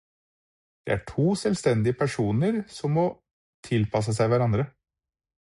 Det er to selvstendige personer som må tilpasse seg hverandre.